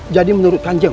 jadi menurut kan jeng